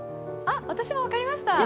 私も分かりました。